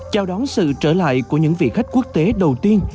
chào đón sự trở lại của những vị khách quốc tế đầu tiên